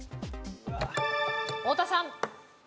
太田さん。